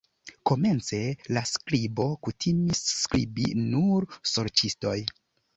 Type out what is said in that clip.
Komence, la skribo kutimis skribi nur sorĉistoj.